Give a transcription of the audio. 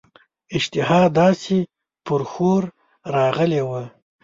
اشتها داسي پر ښور راغلې وه.